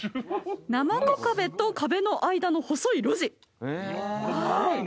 なまこ壁と壁の間の細い路地。